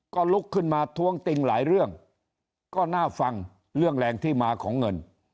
ก็ลุกขึ้นมาท้วงติงหลายเรื่องก็น่าฟังเรื่องแรงที่มาของเงิน